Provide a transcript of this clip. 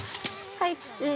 ◆はい、チーズ。